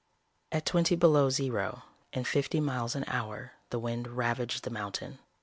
At twenty below zero and fifty miles an hour the wind ravaged the mountain.